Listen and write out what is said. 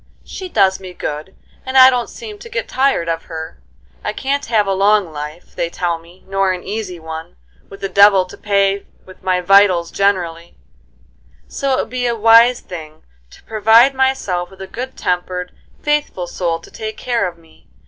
She does me good, and I don't seem to get tired of her. I can't have a long life, they tell me, nor an easy one, with the devil to pay with my vitals generally; so it would be a wise thing to provide myself with a good tempered, faithful soul to take care of me.